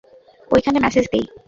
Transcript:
ঐখানে মেসেজ দেই?